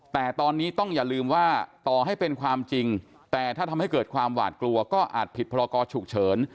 แต่ตอนนี้ต้องอย่าลืมว่าต่อให้เป็นความจริงแต่ถ้าทำให้เกิดความหวาดกลัวก็อาจผิดพรกรฉุกเฉิน